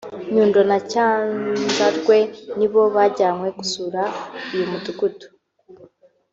Nyundo na Cyanzarwe nibo bajyanywe gusura uyu mudugudu